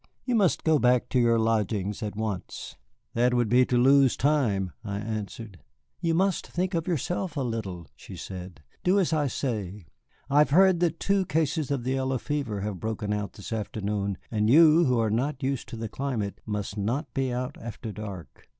"You must go back to your lodgings at once." "That would be to lose time," I answered. "You must think of yourself a little," she said. "Do as I say. I have heard that two cases of the yellow fever have broken out this afternoon. And you, who are not used to the climate, must not be out after dark."